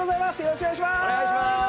よろしくお願いします！